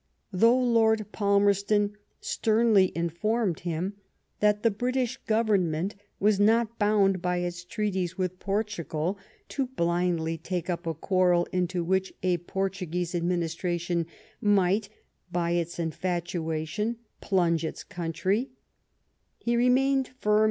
Though Lord Palmerston sternly informed him that the British Government was not bound by its treaties with Portugal to '^ blindly take up a quarrel into which a Portuguese administration might, by its infatuation, plunge its country," he remained firm THE QUADRUPLE ALLIANCE.